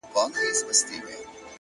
جانه ځان دي ټوله پکي وخوړ!!